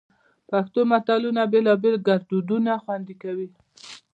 پښتو متلونه بېلابېل ګړدودونه خوندي کوي